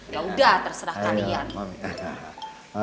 yaudah terserah kalian